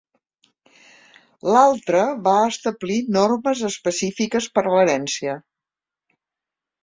L'altre va establir normes específiques per a l'herència.